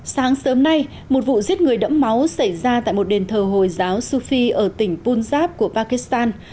sáng sớm nay một vụ giết người đẫm máu xảy ra tại một đền thờ hồi giáo suphie ở tỉnh punjab của pakistan